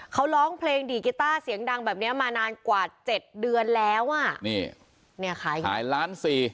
เขาร้องเพลงดีดกีต้าเสียงดังแบบเนี้ยมานานกว่าเจ็ดเดือนแล้วอ่ะนี่เนี่ยขายล้านสี่